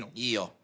いいよ。